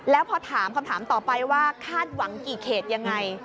แล้วพอถามคำถามต่อไปว่าคาดหวังกี่เขตยังไง